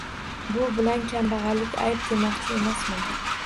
Bu bilan “Kambag‘allik ayb”, demoqchi emasman.